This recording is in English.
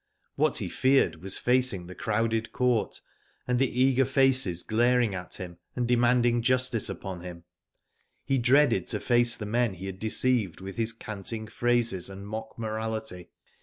What he feared was facing the crowded court, and the eager faces glaring at him, and demanding justice upon him." He dreaded to face the men he had deceived with his canting phrases and mock morality.